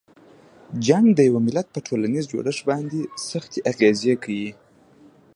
جنګ د یوه ملت په ټولنیز جوړښت باندې سختې اغیزې کوي.